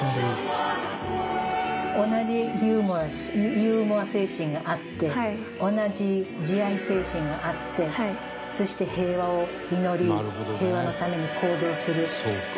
同じユーモラスユーモア精神があって同じ慈愛精神があってそして平和を祈り平和のために行動する。